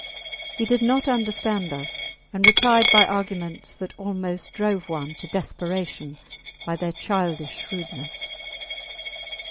He did not understand us, and replied by arguments that almost drove one to desperation by their childish shrewdness.